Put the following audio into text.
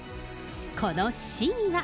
この真意は。